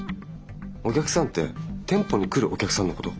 お客さんて店舗に来るお客さんのこと？